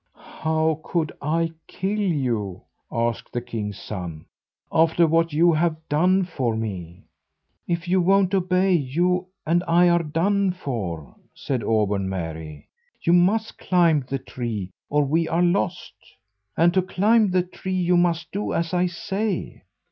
"How could I kill you," asked the king's son, "after what you have done for me?" "If you won't obey, you and I are done for," said Auburn Mary. "You must climb the tree, or we are lost; and to climb the tree you must do as I say."